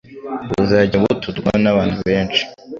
buzajya buturwaho n'abantu benshi,